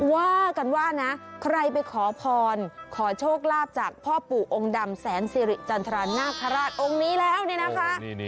ว่ากันว่านะใครไปขอพรขอโชคลาภจากพ่อปู่องค์ดำแสนสิริจันทรานาคาราชองค์นี้แล้วเนี่ยนะคะ